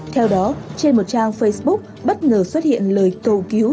theo đó trên một trang facebook bất ngờ xuất hiện lời cầu cứu